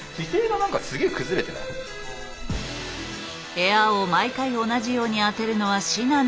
エアーを毎回同じように当てるのは至難の業。